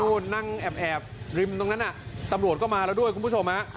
นั่งแอบริมตรงนั้นน่ะตำรวจก็มาแล้วด้วยคุณผู้ชมฮะ